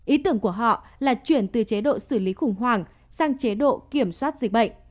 ý tưởng của họ là chuyển từ chế độ xử lý khủng hoảng sang chế độ kiểm soát dịch bệnh